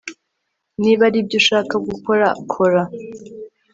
Niba aribyo ushaka gukora kora